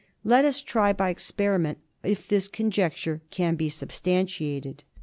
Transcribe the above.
Let us try by experiment if this conjecture can be substantiated.